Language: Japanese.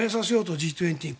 Ｇ２０に。